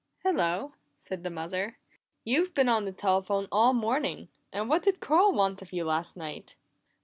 "Hello," said the mother. "You've been on the telephone all morning, and what did Carl want of you last night?"